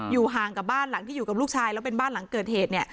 ห่างกับบ้านหลังที่อยู่กับลูกชายแล้วเป็นบ้านหลังเกิดเหตุเนี่ย